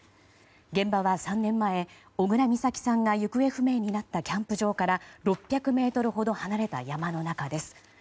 現場は３年前、小倉美咲さんが行方不明になったキャンプ場から６００ｍほど離れた山の中です。